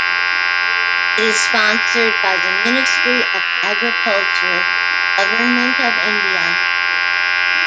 It is sponsored by the Ministry of Agriculture, Government of India.